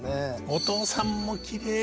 お父さんもきれいだね。